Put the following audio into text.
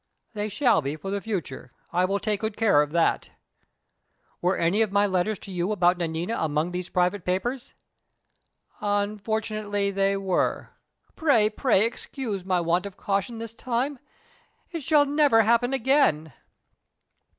"They shall be for the future; I will take good care of that." "Were any of my letters to you about Nanina among these private papers?" "Unfortunately they were. Pray, pray excuse my want of caution this time. It shall never happen again."